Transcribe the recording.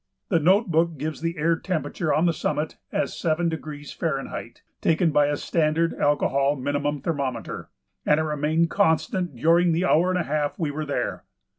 The note book gives the air temperature on the summit as 7° F., taken by a standard alcohol minimum thermometer, and it remained constant during the hour and a half we were there.